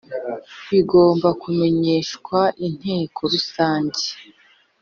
bigomba kumenyeshwa Inteko Rusange